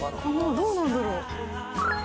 どうなんだろう。